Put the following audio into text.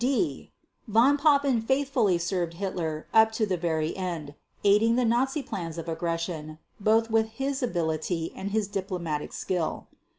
d) Von Papen faithfully served Hitler up to the very end, aiding the Nazi plans of aggression both with his ability and his diplomatic skill.